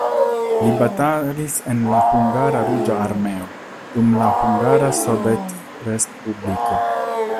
Li batalis en la hungara Ruĝa Armeo dum la Hungara sovetrespubliko.